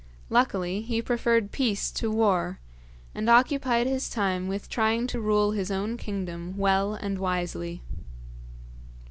Luckily he preferred peace to war, and occupied his time with trying to rule his own kingdom well and wisely.